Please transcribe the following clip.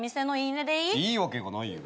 いいわけがないよ。